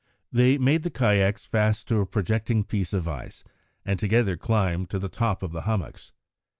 They made the kayaks fast to a projecting piece of ice, and together climbed up to the top of the hummocks.